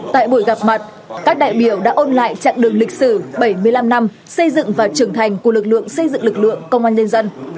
tại buổi gặp mặt các đại biểu đã ôn lại chặng đường lịch sử bảy mươi năm năm xây dựng và trưởng thành của lực lượng xây dựng lực lượng công an nhân dân